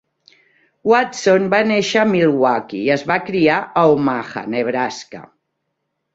Watson va néixer a Milwaukee i es va criar a Omaha, Nebraska.